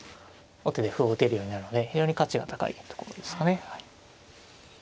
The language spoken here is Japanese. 王手で歩を打てるようになるので非常に価値が高いところですかね。